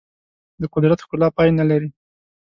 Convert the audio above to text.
د قدرت ښکلا پای نه لري.